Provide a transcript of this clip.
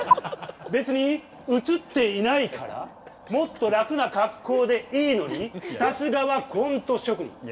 別に映っていないからもっと楽な格好でいいのにさすがはコント職人。